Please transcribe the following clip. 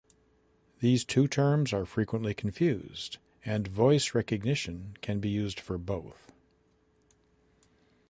These two terms are frequently confused, and "voice recognition" can be used for both.